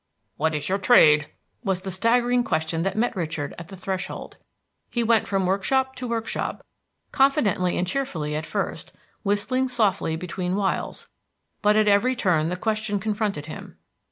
"What is your trade?" was the staggering question that met Richard at the threshold. He went from workshop to workshop, confidently and cheerfully at first, whistling softly between whiles; but at every turn the question confronted him.